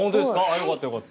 よかったよかった。